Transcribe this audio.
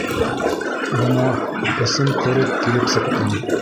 Бына, эсем ҡырып, килеп сыҡтым.